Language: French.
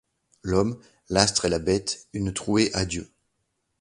L’homme, l’astre et la bête ; une trouée a Dieu !